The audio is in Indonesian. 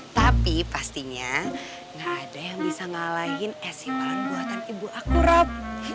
tapi pastinya gak ada yang bisa ngalahin es ipalan buatan ibu aku rob